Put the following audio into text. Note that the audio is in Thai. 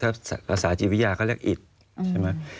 ภาษาธิวิยาก็เรียกอิฐ